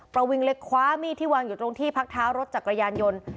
ประวิงเลยคว้ามีดที่วางอยู่ตรงที่พักเท้ารถจักรยานยนต์